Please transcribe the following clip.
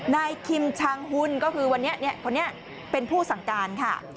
นายคิมชังหุ่นก็คือวันนี้เป็นผู้สังการ